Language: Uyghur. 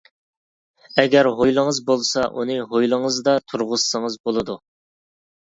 ئەگەر ھويلىڭىز بولسا، ئۇنى ھويلىڭىزدا تۇرغۇزسىڭىز بولىدۇ.